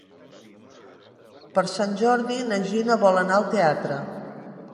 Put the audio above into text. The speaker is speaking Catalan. Per Sant Jordi na Gina vol anar al teatre.